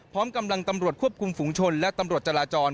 พร้อมกำลังตำรวจควบคุมฝุงชนและตำรวจจราจร